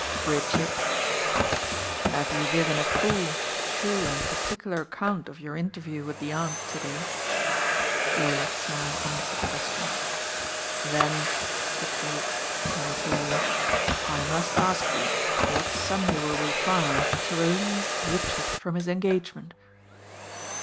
"Richard," he said, "have you given a full, true and particular account of your interview with the Aunt to day?" Lola's smile answered the question. "Then," said Drewitt, turning to Lola, "I mutt ask you what sum you will require to release Richard from his engagement?"